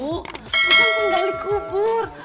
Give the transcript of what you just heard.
bukan ngegali kubur